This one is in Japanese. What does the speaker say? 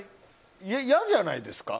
嫌じゃないですか。